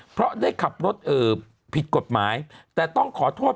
เพราะได้ขับรถผิดกฎหมายแต่ต้องขอโทษ